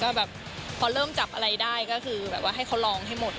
ก็แบบพอเริ่มจับอะไรได้ก็คือแบบว่าให้เขาลองให้หมด